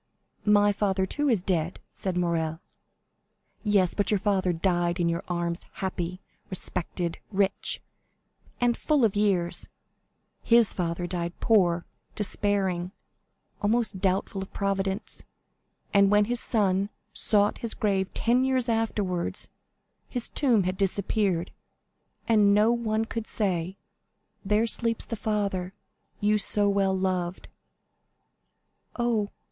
"My father, too, is dead," said Morrel. "Yes; but your father died in your arms, happy, respected, rich, and full of years; his father died poor, despairing, almost doubtful of Providence; and when his son sought his grave ten years afterwards, his tomb had disappeared, and no one could say, 'There sleeps the father you so well loved.'" "Oh!"